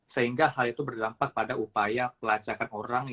sehingga hal itu berdampak pada upaya pelacakan orang